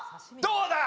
どうだ？